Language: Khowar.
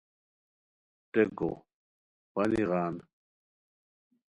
ٹیکو پانی غان